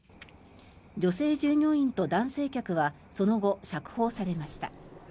女性従業員と男性客はその後、釈放されました。